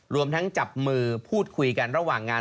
รวมทั้งจับมือพูดคุยกันระหว่างงาน